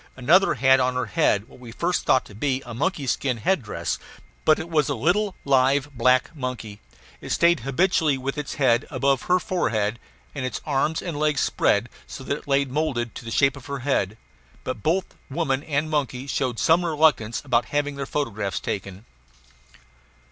Another had on her head what we at first thought to be a monkey skin head dress. But it was a little, live, black monkey. It stayed habitually with its head above her forehead, and its arms and legs spread so that it lay moulded to the shape of her head; but both woman and monkey showed some reluctance about having their photographs taken.